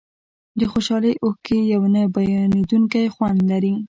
د خوشحالۍ اوښکې یو نه بیانېدونکی خوند لري.